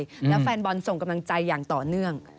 แล้วแฟนบอลส่งกำลังใจอย่างต่อเนื่อง